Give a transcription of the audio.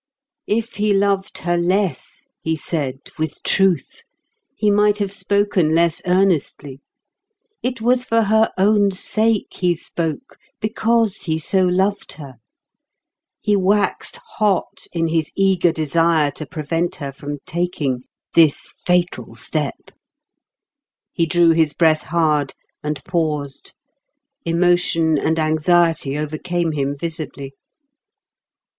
If he loved her less, he said with truth, he might have spoken less earnestly. It was for her own sake he spoke, because he so loved her. He waxed hot in his eager desire to prevent her from taking this fatal step. He drew his breath hard, and paused. Emotion and anxiety overcame him visibly.